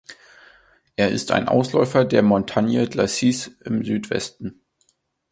Er ist ein Ausläufer der Montagne Glacis im Südwesten.